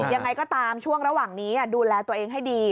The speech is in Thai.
ยังไงก็ตามช่วงระหว่างนี้ดูแลตัวเองให้ดี